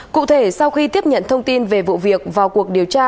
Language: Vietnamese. cụ thể sau khi tiếp nhận thông tin về vụ việc vào cuộc điều tra